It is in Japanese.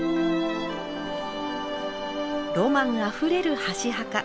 ロマンあふれる箸墓。